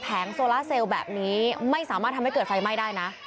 โซลาเซลล์แบบนี้ไม่สามารถทำให้เกิดไฟไหม้ได้นะ